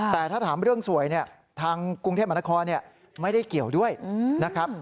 แต่ถ้าถามเรื่องสวยเนี่ยทางกรุงเทพมหานครไม่ได้เกี่ยวด้วยนะครับ